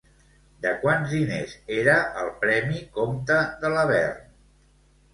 De quants diners era el premi Comte de Lavern?